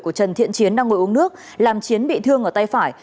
của trần thiện chiến đang ngồi uống nước làm chiến bị thương ở tay phải